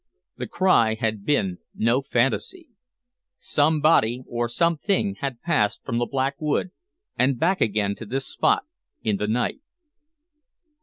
The cry had been no fantasy. Somebody or something had passed from the Black Wood and back again to this spot in the night.